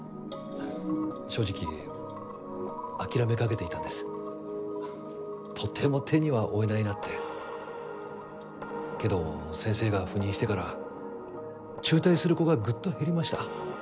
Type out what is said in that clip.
正直諦めかけていたんですとても手には負えないなってけど先生が赴任してから中退する子がぐっと減りました